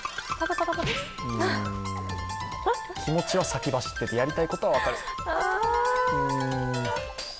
気持ちは先走ってて、やりたいことは分かる。